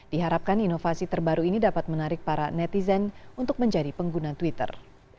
diharapkan inovasi terbaru ini dapat menarik para netizen untuk menjadi pengguna twitter